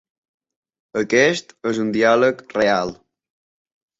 Aquest és un diàleg real.